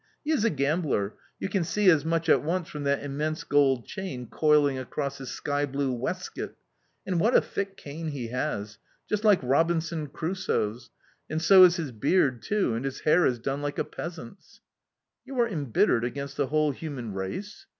He is a gambler; you can see as much at once from that immense gold chain coiling across his skyblue waistcoat. And what a thick cane he has! Just like Robinson Crusoe's and so is his beard too, and his hair is done like a peasant's." "You are embittered against the whole human race?"